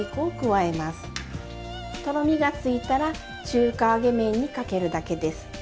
とろみがついたら中華揚げ麺にかけるだけです。